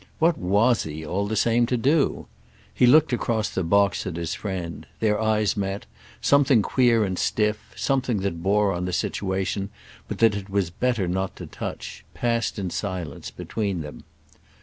What was he, all the same, to do? He looked across the box at his friend; their eyes met; something queer and stiff, something that bore on the situation but that it was better not to touch, passed in silence between them.